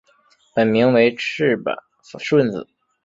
本名为赤坂顺子。